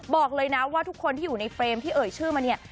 บอกเลยนะว่าทุกคนที่อยู่ในเฟรมที่เอ่ยชื่อมาเนี่ย